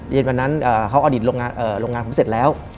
เย็นวันนั้นเขาอดีตโรงงานผมเสร็จแล้ว